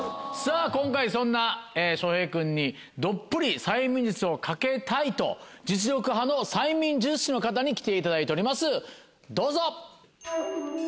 今回そんな翔平君にどっぷり催眠術をかけたいと実力派の催眠術師の方に来ていただいておりますどうぞ。